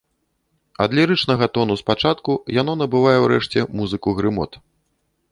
Ад лірычнага тону спачатку яно набывае ўрэшце музыку грымот.